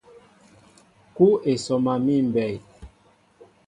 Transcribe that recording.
Kúw e sɔma míʼ mbɛy.